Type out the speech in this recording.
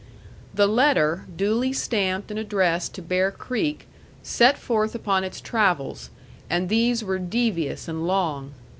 The letter, duly stamped and addressed to Bear Creek, set forth upon its travels; and these were devious and long.